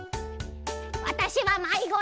「わたしはまいごだ！